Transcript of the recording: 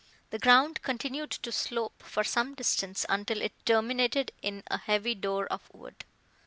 The ground continued to slope for some distance until it terminated in a heavy door of wood.